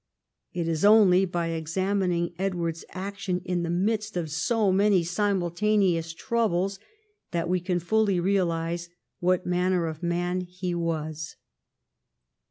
It is only by examining Edward's action in the midst of so many simultaneous troubles that we can fully realise what manner of man he was.